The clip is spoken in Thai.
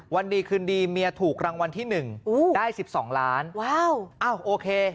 วันดีคืนดีเมียถูกรางวัลที่๑ได้๑๒ล้านอ้าวโอเค